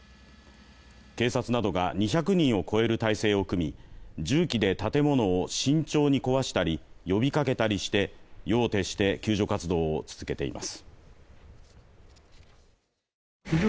警察などが２００人を超える態勢を組み重機で建物を慎重に壊したり呼びかけたりして夜を徹して救助活動を続けています。